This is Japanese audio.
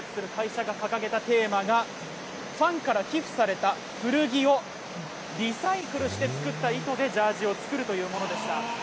今回のジャージ作りを統括する会社が掲げたテーマが、ファンから寄付された古着をリサイクルして作った糸でジャージを作るというものでした。